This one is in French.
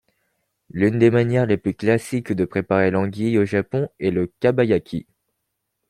L'une des manières les plus classiques de préparer l'anguille au Japon est le kabayaki.